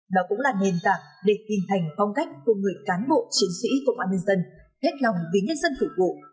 đó cũng là nền tảng để tìm thành phong cách của người cán bộ chiến sĩ công an nhân dân hết lòng vì nhân dân phục vụ